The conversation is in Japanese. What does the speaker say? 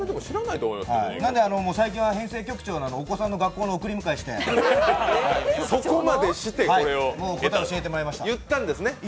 なので、最近は編成局長のお子さんの学校の送り迎えをして、答えを教えてもらいました。